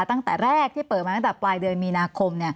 ตั้งแต่แรกที่เปิดมาตั้งแต่ปลายเดือนมีนาคม